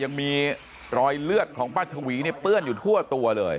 ยังมีรอยเลือดของป้าชวีเนี่ยเปื้อนอยู่ทั่วตัวเลย